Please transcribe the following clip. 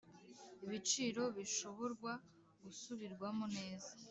ibiciro bishoborwa gusubirwamo neza